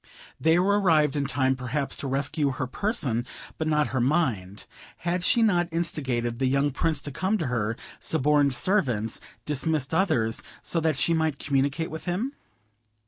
They were arrived in time perhaps to rescue her person, but not her mind; had she not instigated the young Prince to come to her; suborned servants, dismissed others, so that she might communicate with him?